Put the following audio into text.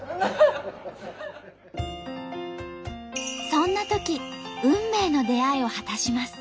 そんなとき運命の出会いを果たします。